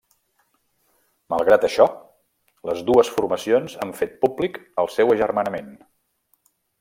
Malgrat això, les dues formacions han fet públic el seu agermanament.